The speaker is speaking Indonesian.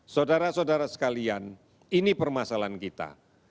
saudara saudara sekalian ini permasalahan kita